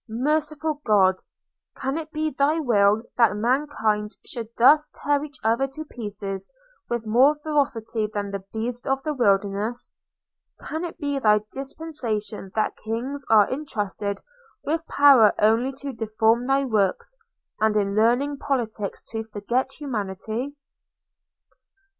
Merciful God! can it be thy will that mankind should thus tear each other to pieces with more ferocity than the beasts of the wilderness? Can it be thy dispensation that kings are entrusted with power only to deform thy works – and in learning politics to forget humanity?